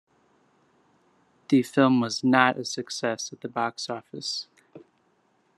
The film was not a success at the box office.